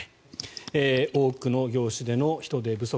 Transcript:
多くの業種での人手不足。